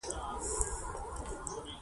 لاهور په بوري کې يو لرغونی کلی دی.